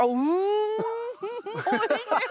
おいしい。